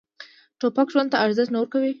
توپک ژوند ته ارزښت نه ورکوي.